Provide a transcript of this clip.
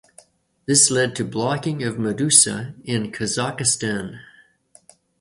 This led to blocking of Meduza in Kazakhstan.